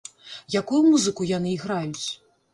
Якую музыку яны іграюць?